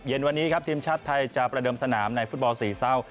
เย็นวันนี้ครับทีมชาติไทยจะประเดิมสนามในฟุตบอลสี่เศร้า